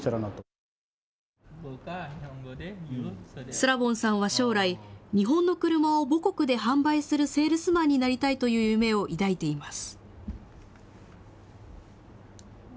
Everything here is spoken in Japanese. スラボンさんは将来、日本の車を母国で販売するセールスマンになりたいという夢を抱いています。